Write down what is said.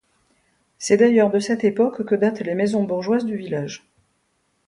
C'est d'ailleurs de cette époque que datent les maisons bourgeoises du village.